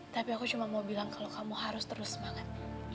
tapi aku cuma mau bilang kalau kamu harus terus semangat